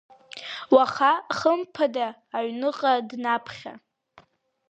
Уаха хымԥада аҩныка днаԥхьа.